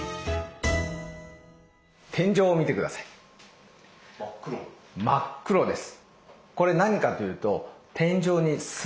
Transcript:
天井を見てください真っ黒です。